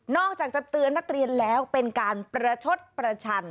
อกจากจะเตือนนักเรียนแล้วเป็นการประชดประชัน